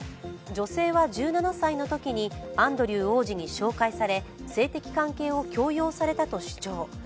女性は１７歳のときにアンドリュー王子に紹介され性的関係を強要されたと主張。